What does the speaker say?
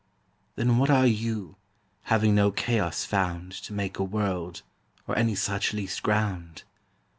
Then what are You, having no Chaos found To make a World, or any such least ground?